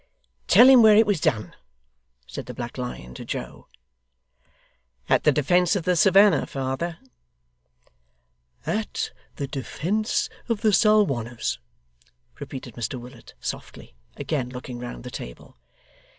'Tell him where it was done,' said the Black Lion to Joe. 'At the defence of the Savannah, father.' 'At the defence of the Salwanners,' repeated Mr Willet, softly; again looking round the table.